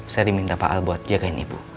saya diminta pak al buat jagain ibu